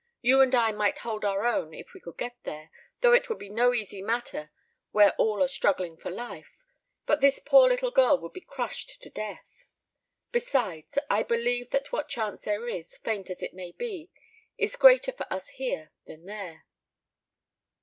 You and I might hold our own if we could get there, though it would be no easy matter where all are struggling for life, but this poor little girl would be crushed to death. Besides, I believe that what chance there is, faint as it may be, is greater for us here than there.